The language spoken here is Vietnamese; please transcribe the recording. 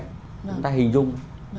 người ta hình dung